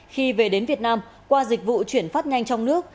khi về đến việt nam qua dịch vụ chuyển phát nhanh trong nước